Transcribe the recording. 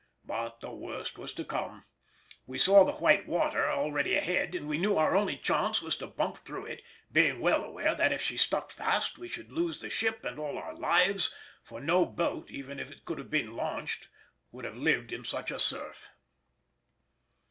But the worst was to come; we saw the white water already ahead, and we knew our only chance was to bump through it, being well aware that if she stuck fast we should lose the ship and all our lives, for no boat, even if it could have been launched, would have lived in such a surf.